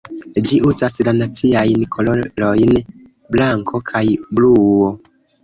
Ĝi uzas la naciajn kolorojn blanko kaj bluo.